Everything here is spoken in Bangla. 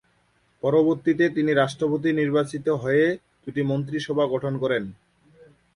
পরবর্তীতে তিনি রাষ্ট্রপতি নির্বাচিত হয়ে দুটি মন্ত্রিসভা গঠন করেন।